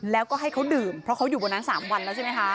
แล้วก็ให้เขาดื่มเพราะเขาอยู่บนนั้น๓วันแล้วใช่ไหมคะ